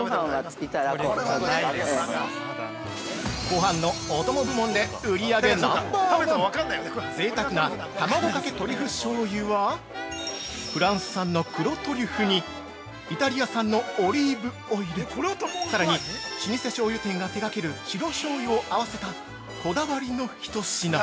◆ご飯のお供部門で、売上ナンバーワン贅沢な卵かけトリュフしょうゆはフランス産の黒トリュフにイタリア産のオリーブオイル、さらに、老舗しょうゆ店が手掛ける白しょうゆを合わせた、こだわりのひと品。